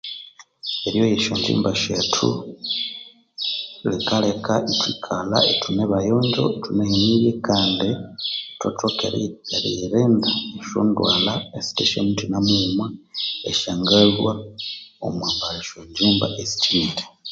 Eryoya esyongyimba syethu likaleka ithwikalha ithune bayongyo, ithunahenirye kandi ithwathoka eriyirinda esyondwalha esithe syamuthina mughuma esyangalhwa omwimbalha esyongyimba esikyinire.